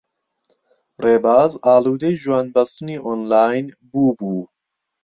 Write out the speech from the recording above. ڕێباز ئاڵوودەی ژوانبەستنی ئۆنلاین بووبوو.